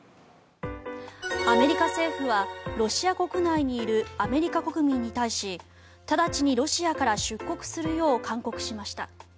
アメリカ政府はロシア国内にいるアメリカ国民に対し直ちにロシアから出国するよう勧告しました。